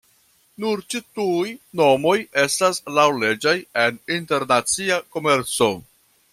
Nur ĉi-tuj nomoj estas laŭleĝaj en internacia komerco.